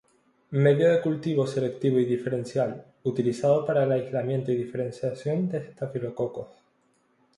Medio de cultivo selectivo y diferencial, utilizado para el aislamiento y diferenciación de estafilococos.